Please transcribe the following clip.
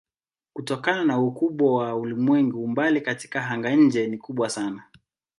Kutokana na ukubwa wa ulimwengu umbali katika anga-nje ni kubwa sana.